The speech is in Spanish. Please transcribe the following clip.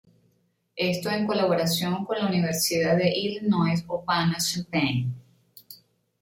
Esto en colaboración con la Universidad de Illinois Urbana-Champaign.